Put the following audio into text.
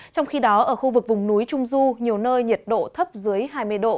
trong khi đó ở khu vực vùng núi trung du nhiều nơi nhiệt độ thấp dưới hai mươi độ